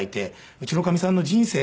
うちのかみさんの人生をね